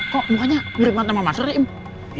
kok makanya mirip banget sama mas roy